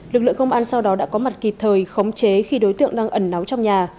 lực lượng công an sau đó đã có mặt kịp thời khống chế khi đối tượng đang ẩn náu trong nhà